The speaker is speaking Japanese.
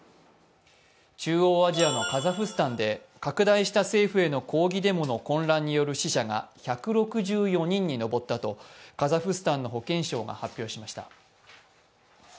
中央アジアのカザフスタンで拡大した政府への抗議デモの混乱による死者が１６４人に上ったとカザフスタンの保健相が発表しました。